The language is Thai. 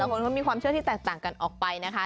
คนเขามีความเชื่อที่แตกต่างกันออกไปนะคะ